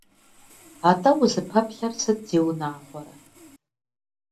Атӏэ, узыпэплъэр сыт, зиунагъуэрэ!